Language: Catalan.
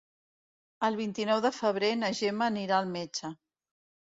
El vint-i-nou de febrer na Gemma anirà al metge.